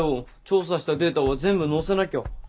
調査したデータは全部載せなきゃ。